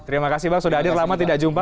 terima kasih bang sudah hadir lama tidak jumpa